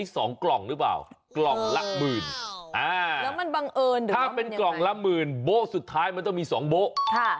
ส่องละหมื่นโบ๊ะสุดท้ายมันต้องมีสองโบ๊ะ